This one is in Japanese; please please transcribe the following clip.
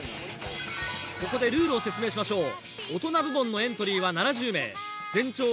ここでルールを説明しましょう。